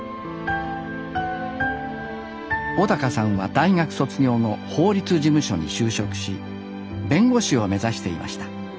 小さんは大学卒業後法律事務所に就職し弁護士を目指していました。